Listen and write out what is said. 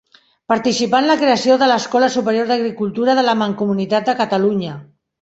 Participà en la creació de l'Escola Superior d'Agricultura de la Mancomunitat de Catalunya.